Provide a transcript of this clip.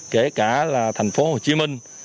kể cả là thành phố hồ chí minh